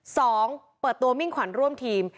สองเปิดตัวมิ่งขวัญร่วมทีม